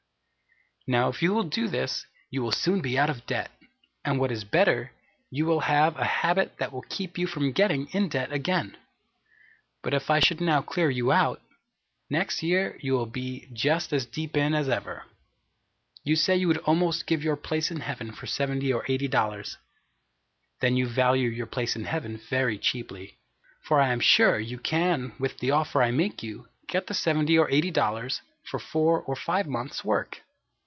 Now if you will do this, you will soon be out of debt, and what is better, you will have a habit that will keep you from getting in debt again. But if I should now clear you out, next year you will be just as deep in as ever. You say you would almost give your place in Heaven for $70 or $80. Then you value your place in Heaven very cheaply, for I am sure you can with the offer I make you get the seventy or eighty dollars for four or five months' work.